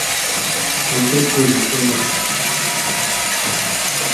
ওকে চুমু খেও না।